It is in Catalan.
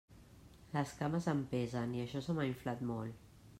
Les cames em pesen i això se m'ha inflat molt.